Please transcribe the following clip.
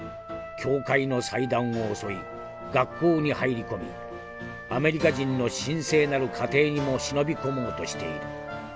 教会の祭壇を襲い学校に入り込みアメリカ人の神聖なる家庭にも忍び込もうとしている。